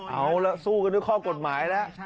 เอาละสู้กันด้วยข้อกฎหมายแล้ว